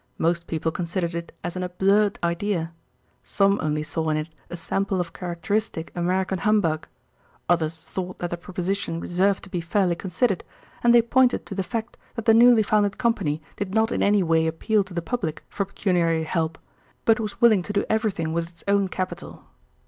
Most people considered it as an absurd idea. Some only saw in it a sample of characteristic American humbug. Others thought that the proposition deserved to be fairly considered, and they pointed to the fact that the newly founded company did not in any way appeal to the public for pecuniary help, but was willing to do everything with its own capital.